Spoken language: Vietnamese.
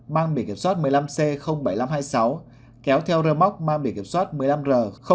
mang biển kiểm soát một mươi năm c bảy nghìn năm trăm hai mươi sáu kéo theo rơ móc mang biển kiểm soát một mươi năm r tám trăm chín mươi sáu